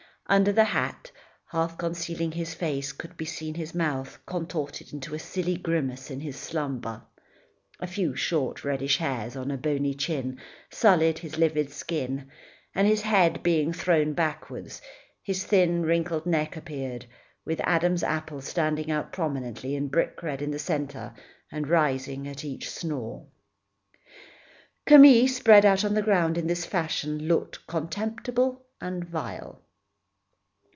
Under the hat, half concealing his face, could be seen his mouth contorted into a silly grimace in his slumber. A few short reddish hairs on a bony chin sullied his livid skin, and his head being thrown backward, his thin wrinkled neck appeared, with Adam's apple standing out prominently in brick red in the centre, and rising at each snore. Camille, spread out on the ground in this fashion, looked contemptible and vile.